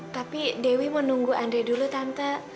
tapi dewi mau nunggu andri dulu tante